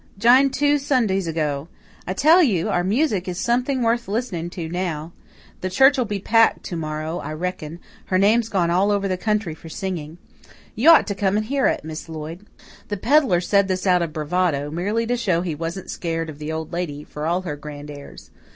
"Jined two Sundays ago. I tell you, our music is something worth listening to now. The church'll be packed to morrow, I reckon her name's gone all over the country for singing. You ought to come and hear it, Miss Lloyd." The pedlar said this out of bravado, merely to show he wasn't scared of the Old Lady, for all her grand airs.